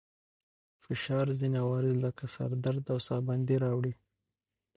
فشار ځينې عوارض لکه سر درد او ساه بندي راوړي.